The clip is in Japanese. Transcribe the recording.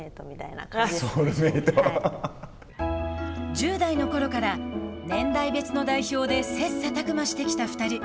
１０代のころから年代別の代表で切さたく磨してきた２人。